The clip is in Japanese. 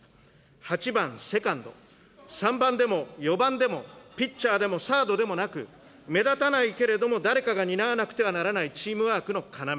８番セカンド、３番でも４番でも、ピッチャーでもサードでもなく、目立たないけれども誰かが担わなくてはならないチームワークの要。